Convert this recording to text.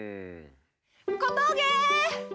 小峠！